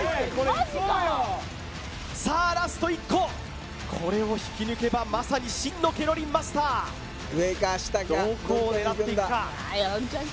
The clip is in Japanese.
マジかさあラスト１個これを引き抜けばまさに真のケロリンマスター上か下かどこ抜くんだ？